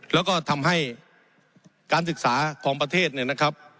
แล้วก็ทำให้การศึกษาของประเทศเนี่ยนะครับ